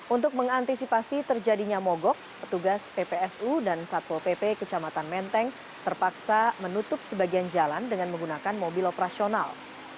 untuk mengantisipasi terjadinya mogok petugas ppsu dan satpol pp kecamatan menteng terpaksa menutup sebagian jalan dengan menggunakan mobil operasional